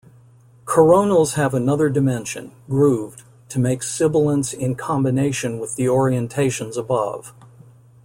Coronals have another dimension, grooved, to make sibilants in combination with the orientations above.